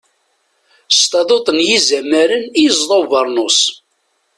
S taduṭ n yizamaren i yezḍa ubernus.